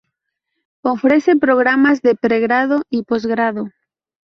Ofrece programas de pregrado y posgrado.